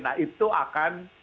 nah itu akan